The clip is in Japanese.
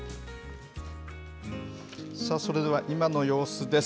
それでは今の様子です。